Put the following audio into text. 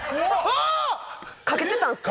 賭けてたんすか？